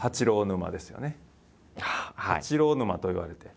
「八郎沼」と言われて。